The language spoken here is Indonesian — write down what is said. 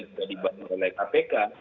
juga dibantu oleh kpk